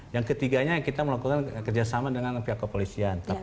yang ketiganya kita melakukan kerjasama dengan pihak kepolisian